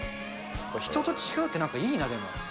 人と違うっていいな、でも。